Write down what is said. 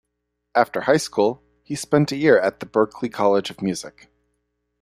After high school, he spent a year at the Berklee College of Music.